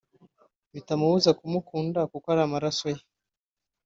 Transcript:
bitamubuza kumukunda kuko ari amaraso ye